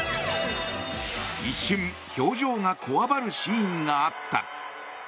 一瞬、表情がこわばるシーンがあった。